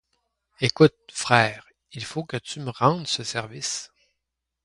Ecoute, frère, il faut que tu me rendes ce service.